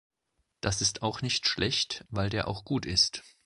Das ist auch nicht schlecht, weil der auch gut ist.